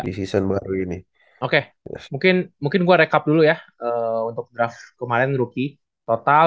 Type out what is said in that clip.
di season baru ini oke mungkin mungkin gue rekap dulu ya untuk draft kemarin rooki total